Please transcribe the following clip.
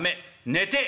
寝て！」。